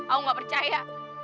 aku gak percaya